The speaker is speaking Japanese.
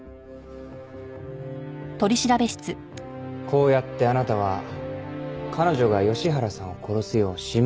こうやってあなたは彼女が吉原さんを殺すよう仕向けた。